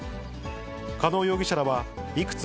加納容疑者らは、いくつ？